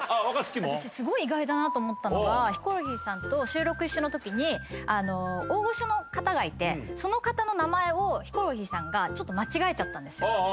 私意外だなと思ったのがヒコロヒーさんと収録一緒のときに大御所の方がいてその方の名前をヒコロヒーさんがちょっと間違えちゃったんですよ。